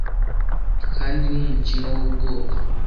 kandi ni umukino wubwoba